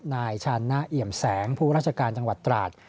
นายชานะเอี่ยมแสงผู้ราชการจังหวัดตราด